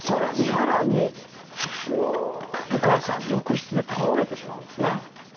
さらに、お母さん、浴室で倒れてしまうんですね。